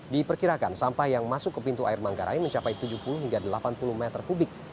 diperkirakan sampah yang masuk ke pintu air manggarai mencapai tujuh puluh hingga delapan puluh meter kubik